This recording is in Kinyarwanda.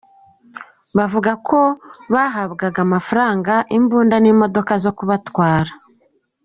Bavuze ko bahabwaga amafaranga, imbunda n’imodoka zo kubatwara.